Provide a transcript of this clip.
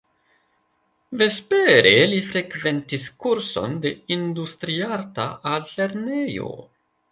Vespere li frekventis kurson de Industriarta Altlernejo.